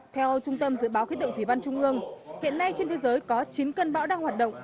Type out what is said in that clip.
theo trung tâm dự báo khí tượng thủy văn trung ương hiện nay trên thế giới có chín cơn bão đang hoạt động